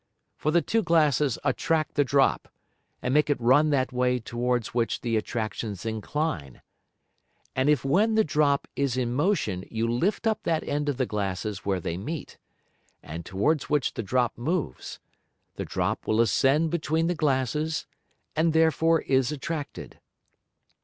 For the two Glasses attract the Drop, and make it run that way towards which the Attractions incline. And if when the Drop is in motion you lift up that end of the Glasses where they meet, and towards which the Drop moves, the Drop will ascend between the Glasses, and therefore is attracted.